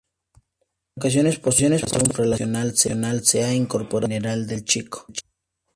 En ocasiones por su relación funcional se a incorporado a Mineral del Chico.